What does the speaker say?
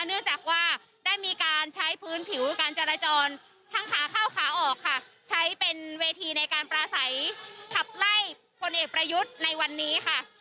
เนื่องจากว่าได้มีการใช้พื้นผิวการจราจรทั้งขาเข้าขาออกค่ะใช้เป็นเวทีในการปราศัยขับไล่พลเอกประยุทธ์ในวันนี้ค่ะ